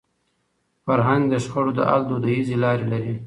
فرهنګ د شخړو د حل دودیزي لارې لري.